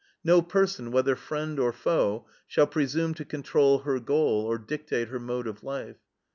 No person, whether friend or foe, shall presume to control her goal or dictate her mode of life.